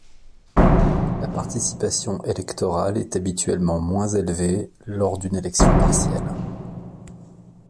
La participation électorale est habituellement moins élevée lors d'une élection partielle.